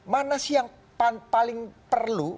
mana sih yang paling perlu